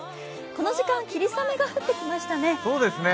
この時間、霧雨が降ってきましたね。